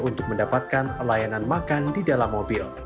untuk mendapatkan pelayanan makan di dalam mobil